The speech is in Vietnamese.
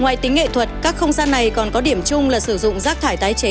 ngoài tính nghệ thuật các không gian này còn có điểm chung là sử dụng rác thải tái chế